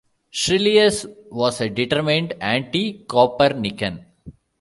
Schyrleus was a determined anticopernican.